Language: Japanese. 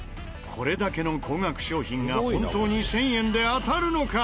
これだけの高額商品が本当に１０００円で当たるのか？